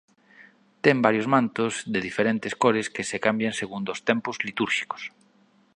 Ten varios mantos de diferentes cores que se cambian segundo os tempos litúrxicos.